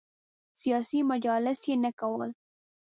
سیاسي مجالس یې نه کول.